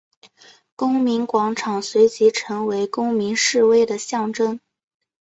公民广场随即成为公民示威的象征。